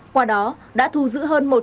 qua đó đã thu giữ hơn